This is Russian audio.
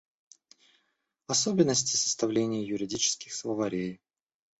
Особенности составления юридических словарей.